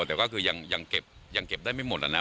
แต่ก็คืายังเก็บไม่หมดดังนั้น